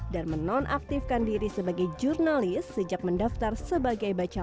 dan menonaktifkan diri seorang jurnalis yang bergabung di partai pdip dan menjadi anggota komisi sepuluh dpr ri